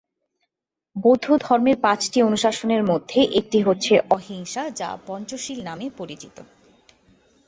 বৌদ্ধধর্মের পাঁচটি অনুশাসনের মধ্যে একটি হচ্ছে অহিংসা যা পঞ্চশীল নামে পরিচিত।